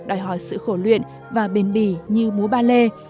đòi hỏi sự khổ luyện và bền bỉ như múa ba lê